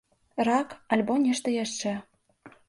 Рак, альбо нешта яшчэ.